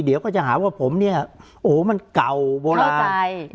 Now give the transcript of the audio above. เดี๋ยวก็จะหาว่าผมเนี่ยโอ้โหมันเก่าโบราณ